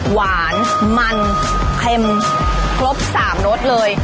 หวานมันเค็มครบ๓รสเลย